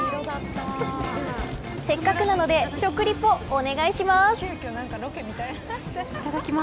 せっかくなので食リポをお願いします。